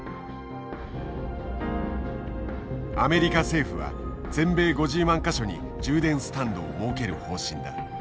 アメリカ政府は全米５０万か所に充電スタンドを設ける方針だ。